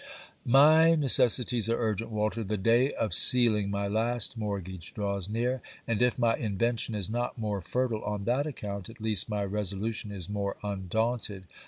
My necessities are urgent, Walter. The day of sealing my last mortgage draws near; and, if my invention is not more fertile on that account, at least my resolution is more undaunted.